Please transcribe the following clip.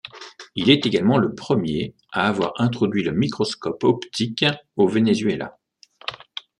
Il est également le premier à avoir introduit le microscope optique au Venezuela.